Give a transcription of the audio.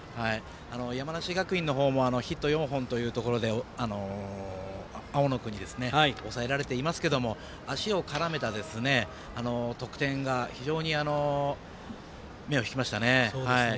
山梨学院のほうもヒット４本というところで青野君に抑えられていますけど足を絡めた得点が非常に目を引きましたね。